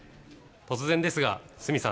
突然ですが、鷲見さん。